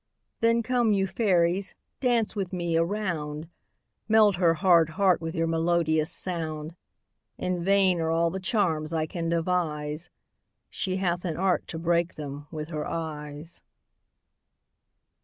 Then come, you fairies, dance with me a round; Melt her hard heart with your melodious sound. In vain are all the charms I can devise; She hath an art to break them with her eyes.